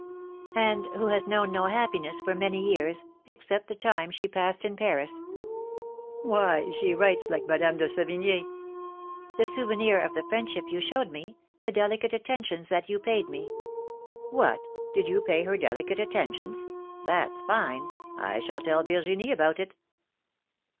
And who has known no happiness for many years, except the time she passed in Paris —" Why, she writes like Madame de Sevign6 !"— The souvenir of the friendship you showed me, the delicate attentions that you paid me —" What ! did you pay her delicate attentions ? That's fine! I shall tell Virginie about it."